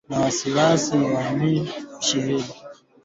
na waasi wa M ishirini na tatu licha ya makubaliano ya Angola